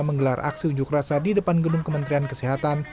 menggelar aksi unjuk rasa di depan gedung kementerian kesehatan